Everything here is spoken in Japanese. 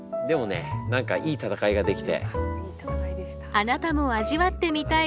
あなたも味わってみたい